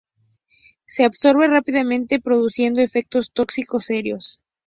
Se absorbe rápidamente produciendo efectos tóxicos serios.